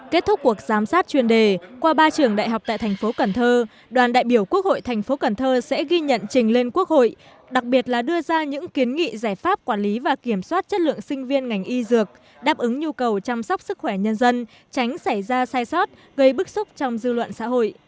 kết thúc cuộc giám sát chuyên đề qua ba trường đại học tại thành phố cần thơ đoàn đại biểu quốc hội thành phố cần thơ sẽ ghi nhận trình lên quốc hội đặc biệt là đưa ra những kiến nghị giải pháp quản lý và kiểm soát chất lượng sinh viên ngành y dược đáp ứng nhu cầu chăm sóc sức khỏe nhân dân tránh xảy ra sai sót gây bức xúc trong dư luận xã hội